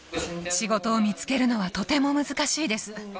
仕事を見つけるのはとても難しいです。